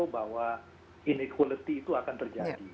jadi kita harus mengatakan bahwa inequality itu akan terjadi